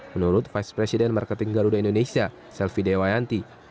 menurut vice president marketing garuda indonesia selvi dewayanti